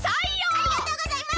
ありがとうございます！